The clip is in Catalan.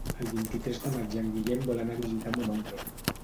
El vint-i-tres de maig en Guillem vol anar a visitar mon oncle.